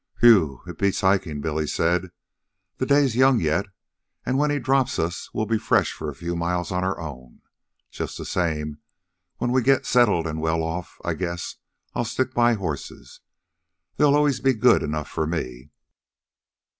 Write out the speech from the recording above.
"Whew! It beats hikin'," Billy said. "The day's young yet and when he drops us we'll be fresh for a few miles on our own. Just the same, when we get settled an' well off, I guess I'll stick by horses. They'll always be good enough for me."